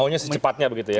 maunya secepatnya begitu ya